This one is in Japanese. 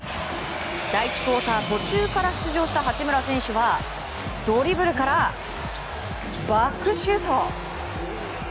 第１クオーター途中から出場した八村選手はドリブルからバックシュート！